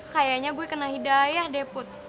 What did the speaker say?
kayaknya gue kena hidayah deh put